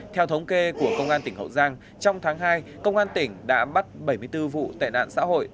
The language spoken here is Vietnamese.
theo thống kê của công an tỉnh hậu giang trong tháng hai công an tỉnh đã bắt bảy mươi bốn vụ tệ nạn xã hội